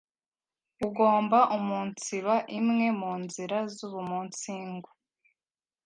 ugomba umunsiba imwe mu nzira z’ubuumunsingu;